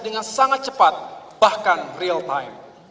dengan sangat cepat bahkan real time